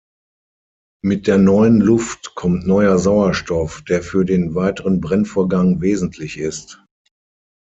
Mit der neuen Luft kommt neuer Sauerstoff, der für den weiteren Brennvorgang wesentlich ist.